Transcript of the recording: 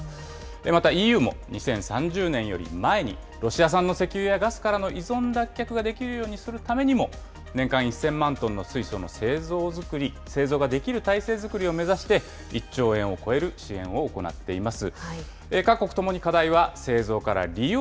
また、ＥＵも２０３０年より前に、ロシア産の石油やガスからの依存脱却ができるようにするためにも、年間１０００万トンの水素の製造、製造ができる体制作りを目指して、１兆円を超える支援を行っています。